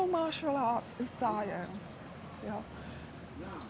tentang pencaksilat tentang arti muslim ini